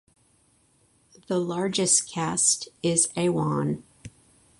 The largest caste is Awan.